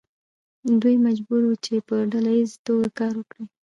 دوی مجبور وو چې په ډله ایزه توګه کار وکړي.